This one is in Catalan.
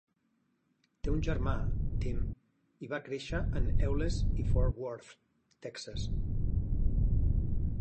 Té un germà, Tim, i va créixer en Euless i Fort Worth, Texas.